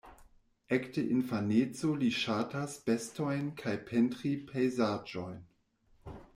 Ekde infaneco li ŝatas bestojn kaj pentri pejzaĝojn.